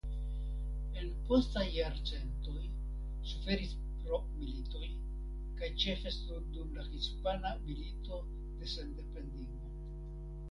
En postaj jarcentoj suferis pro militojkaj ĉefe dum la Hispana Milito de Sendependigo.